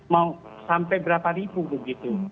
mau sampai berapa ribu begitu